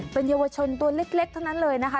เป็นเยาวชนตัวเล็กเท่านั้นเลยนะคะ